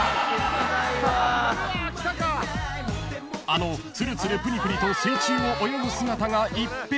［あのツルツルプニプニと水中を泳ぐ姿が一変］